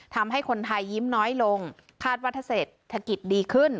ทำให้คนไทยยิ้มน้อยลงคาดว่าถ้าเศรษฐกิจดีขึ้น